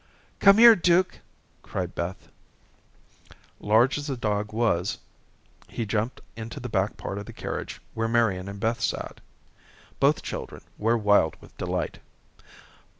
"Come here, Duke," cried Beth. Large as the dog was, he jumped into the back part of the carriage where Marian and Beth sat. Both children were wild with delight.